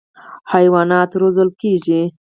حیوانات روزل کېږي.